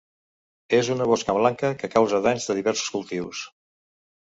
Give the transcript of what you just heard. És una mosca blanca que causa danys de diversos cultius.